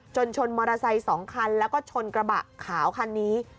ชนมอเตอร์ไซค์๒คันแล้วก็ชนกระบะขาวคันนี้